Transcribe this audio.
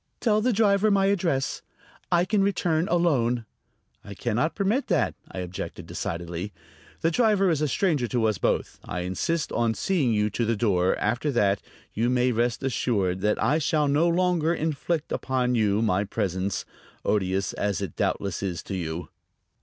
"Tell the driver my address; I can return alone." "I can not permit that," I objected decidedly. "The driver is a stranger to us both. I insist on seeing you to the door; after that you may rest assured that I shall no longer inflict upon you my presence, odious as it doubtless is to you."